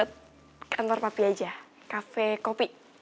nanti ke kantor papi aja kafe kopi